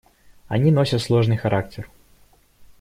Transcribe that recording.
Они носят сложный характер.